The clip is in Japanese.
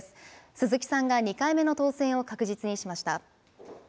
鈴木さんが２回目の当選を確実にしました。